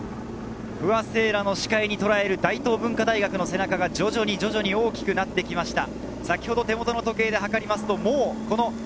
不破聖衣来の視界にとらえる大東文化大学の背中が徐々に大きくなってきました。